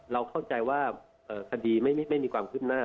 เราเข้าใจว่าคดีไม่มีความคืบหน้า